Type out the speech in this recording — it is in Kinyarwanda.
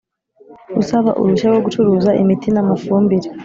Usaba uruhushya rwo gucuruza imiti n amafumbire